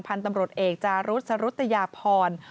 พันธุ์ตำรวจเอกจารุษสรุตยาพร